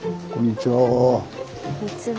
こんにちは。